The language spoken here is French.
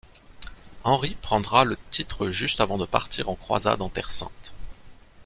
Henri rendra le titre juste avant de partir en croisade en Terre Sainte.